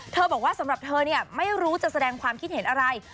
บอกว่าสำหรับเธอเนี่ยไม่รู้จะแสดงความคิดเห็นอะไร